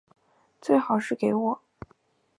最好是给我